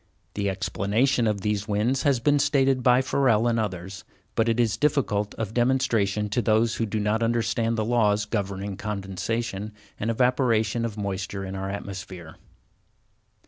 The explanation of these winds has been stated by Ferrel and others, but it is difficult of demonstration to those who do not understand the laws governing condensation and evaporation of moisture in our atmosphere.